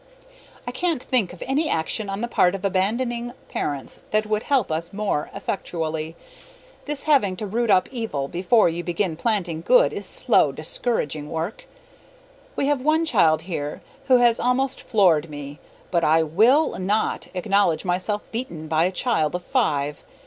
I can't think of any action on the part of abandoning parents that would help us more effectually. This having to root up evil before you begin planting good is slow, discouraging work. We have one child here who has almost floored me; but I WILL NOT acknowledge myself beaten by a child of five.